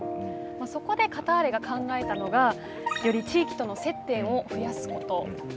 そこでカターレが考えたのがより地域との接点を増やすことなんです。